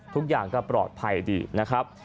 ทุกอย่างก็ปลอดภัยดีนะครับ